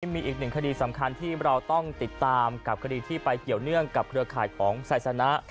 มีอีกหนึ่งคดีสำคัญที่เราต้องติดตามกับคดีที่ไปเกี่ยวเนื่องกับเครือข่ายของไซสนะ